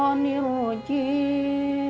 sembilan belas sementara kami dihentikan